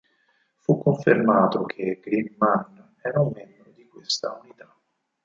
Fu confermato che Green Man era un membro di questa unità.